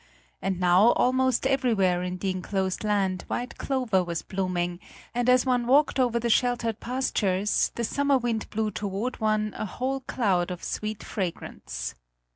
And now almost everywhere in the enclosed land white clover was blooming, and as one walked over the sheltered pastures, the summer wind blew toward one a whole cloud of sweet fragrance.